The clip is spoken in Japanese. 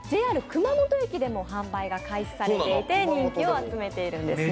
ＪＲ熊本駅でも販売が開始されていて人気を集めているんですね。